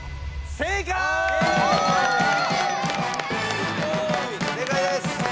正解です。